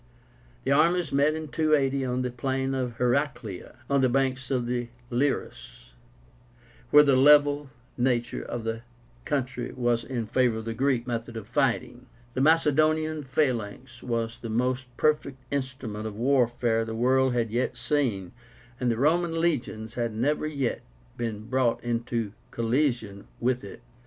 The armies met in 280 on the plain of HERACLÉA, on the banks of the Liris, where the level nature of the country was in favor of the Greek method of fighting. The Macedonian phalanx was the most perfect instrument of warfare the world had yet seen, and the Roman legions had never yet been brought into collision with it.